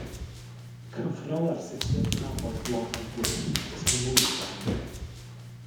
Cyfrol ar sut i adnabod blodau gwyllt a dysgu mwy amdanyn nhw.